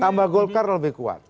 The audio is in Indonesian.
tambah golkar lebih kuat